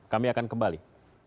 kami akan kembali